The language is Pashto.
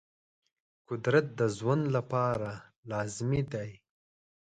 قدرت د ژوند لپاره لازمي دی.